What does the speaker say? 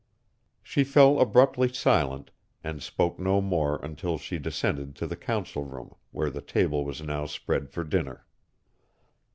"_ She fell abruptly silent, and spoke no more until she descended to the council room where the table was now spread for dinner.